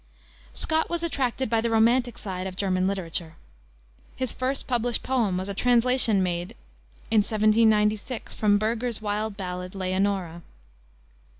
Scott was attracted by the romantic side of German literature. His first published poem was a translation made in 1796 from Burger's wild ballad, Leonora.